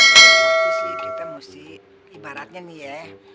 tapi sih kita mesti ibaratnya nih ya